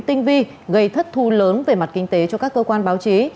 tinh vi gây thất thu lớn về mặt kinh tế cho các cơ quan báo chí